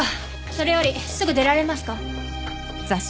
それよりすぐ出られますか？